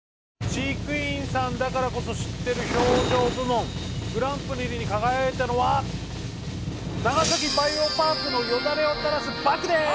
飼育員さんだからこそ知ってる表情部門グランプリに輝いたのは長崎バイオパークのヨダレをたらすバクです！